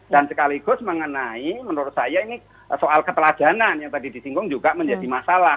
dan sekaligus mengenai menurut saya ini soal keteladanan yang tadi disinggung juga menjadi masalah